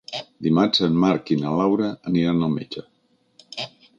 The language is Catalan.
Dimarts en Marc i na Laura aniran al metge.